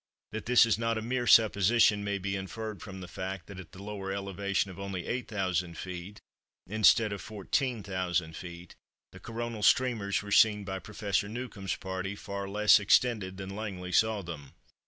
That this is not a mere supposition may be inferred from the fact that at the lower elevation of only 8000 feet, instead of 14,000 feet, the Coronal streamers were seen by Professor Newcomb's party, far less extended than Langley saw them.